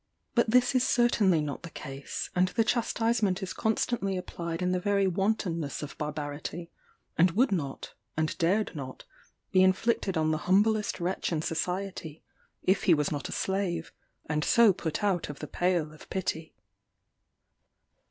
But this is certainly not the case; and the chastisement is constantly applied in the very wantonness of barbarity, and would not, and dared not, be inflicted on the humblest wretch in society, if he was not a slave, and so put out of the pale of pity.